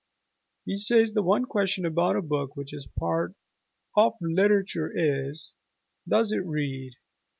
He says the one question about a book which is to be part of literature is, "Does it read?"